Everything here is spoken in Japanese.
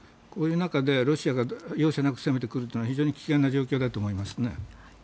こういう中でロシアが容赦なく攻めてくるということは非常に危険な状況だと思いますね。